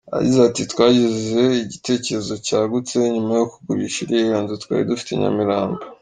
Yagize ati “Twagize igitekerezo cyagutse, nyuma yo kugurisha iriya nzu twari dufite i Nyamirambo.